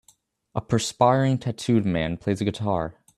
A perspiring tattooed man plays a guitar